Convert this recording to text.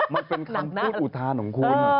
มันเป็นคำพูดอุทานของคุณ